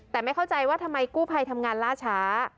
แต่ไม่เข้าใจว่าทำไมกู้ภัยทำงานล่าช้า